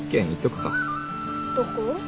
どこ？